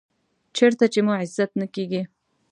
چېرته چې مو عزت نه کېږي .